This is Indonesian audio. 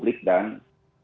dua itu kan pejabat pengelola